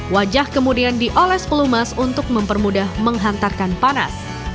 wajah kemudian dioles pelumas untuk mempermudah menghantarkan panas